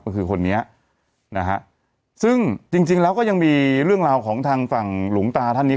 ก็คือคนนี้นะฮะซึ่งจริงจริงแล้วก็ยังมีเรื่องราวของทางฝั่งหลวงตาท่านนี้